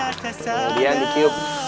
nah kemudian ditutup